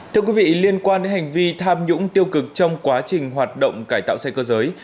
thưa quý vị liên quan đến hành vi tham nhũng tiêu cực trong quá trình hoạt động cải tạo xe cơ giới